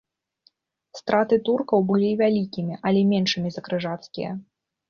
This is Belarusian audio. Страты туркаў былі вялікімі, але меншымі за крыжацкія.